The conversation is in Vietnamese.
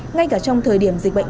ngay cả trong thời điểm dịch bệnh